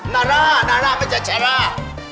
นาร่านาร่าไม่ใช่เฉราะ